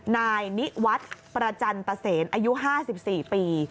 นายนิวัฒน์ประจันตเซนอายุ๕๔ปี